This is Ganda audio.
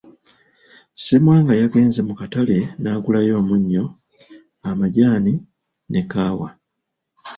Ssemwanga yagenze mu katale n’agulayo omunnyo, amajaani ne kaawa.